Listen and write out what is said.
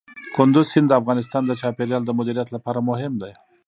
کندز سیند د افغانستان د چاپیریال د مدیریت لپاره مهم دی.